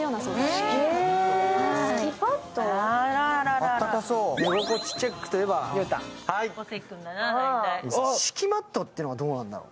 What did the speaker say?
敷きマットってどうなんだろう？